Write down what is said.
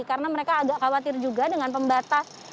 karena mereka agak khawatir juga dengan pembatas